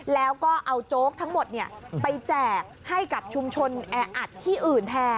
แล้วก็เอาโจ๊กทั้งหมดไปแจกให้กับชุมชนแออัดที่อื่นแทน